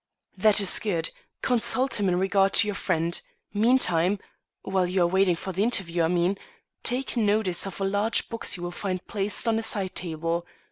"That is good; consult him in regard to your friend; meantime while you are waiting for the interview, I mean take notice of a large box you will find placed on a side table.